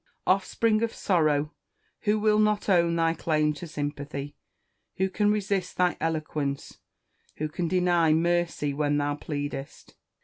Offspring of sorrow! who will not own thy claim to sympathy? who can resist thy eloquence? who can deny mercy when thou pleadest?